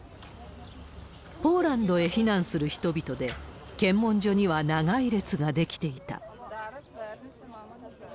ポーランドへ避難する人々で、検問所には長い列が出来ていた。